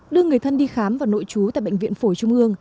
đưa người thân đi khám và nội trú tại bệnh viện phổi trung ương